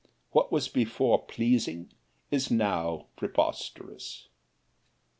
What was before pleasing is now preposterous.